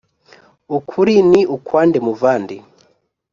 ukuri ni ukwande muvandi